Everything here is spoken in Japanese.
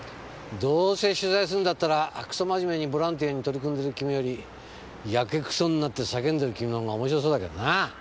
どうせ取材すんだったらクソ真面目にボランティアに取り組んでる君よりヤケクソになって叫んでる君の方が面白そうだけどな。